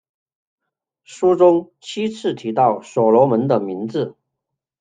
书中七次提到所罗门的名字。